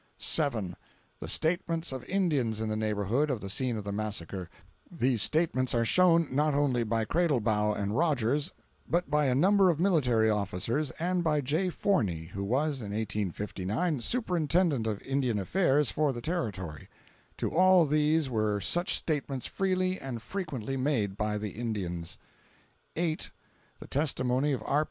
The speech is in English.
"7. The statements of Indians in the neighborhood of the scene of the massacre: these statements are shown, not only by Cradlebaugh and Rodgers, but by a number of military officers, and by J. Forney, who was, in 1859, Superintendent of Indian Affairs for the Territory. To all these were such statements freely and frequently made by the Indians. "8. The testimony of R.